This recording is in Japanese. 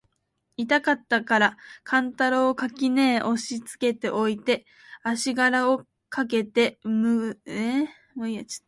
痛かつたから勘太郎を垣根へ押しつけて置いて、足搦あしがらをかけて向へ斃してやつた。